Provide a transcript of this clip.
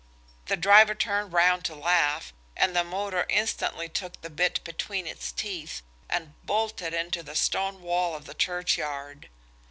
The driver turned round to laugh, and the motor instantly took the bit between its teeth and bolted into the stone wall of the churchyard.